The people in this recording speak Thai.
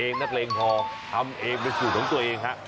นักเลงทองทำเองเป็นสูตรของตัวเองฮะ